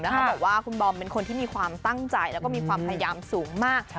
เขาบอกว่าคุณบอมเป็นคนที่มีความตั้งใจแล้วก็มีความพยายามสูงมาก